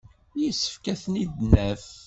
Yessefk ad ten-id-naf.